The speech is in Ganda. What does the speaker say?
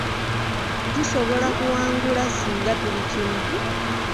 Tusobola kuwangula singa tuli kimu.